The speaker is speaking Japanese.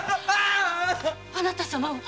あなた様は？